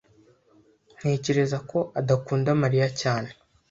Ntekereza ko adakunda Mariya cyane.